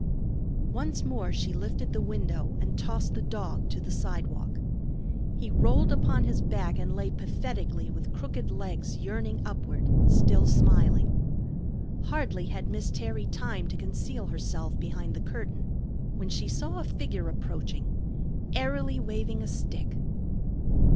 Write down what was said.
Once more she lifted the window and tossed the dog to the sidewalk. He rolled upon his back and lay pathetically with crooked legs yearning upward, still smiling. Hardly had Miss Terry time to conceal herself behind the curtain when she saw a figure approaching, airily waving a stick.